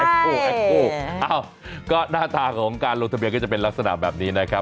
โอ้โหก็หน้าตาของการลงทะเบียนก็จะเป็นลักษณะแบบนี้นะครับ